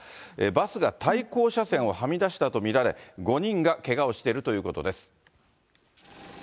バスが対向車線をはみ出したと見られ、５人がけがをしているということです。